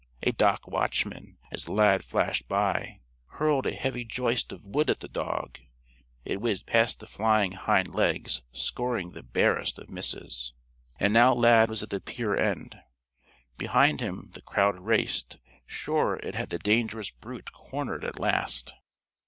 A dock watchman, as Lad flashed by, hurled a heavy joist of wood at the dog. It whizzed past the flying hind legs, scoring the barest of misses. And now Lad was at the pier end. Behind him the crowd raced; sure it had the dangerous brute cornered at last.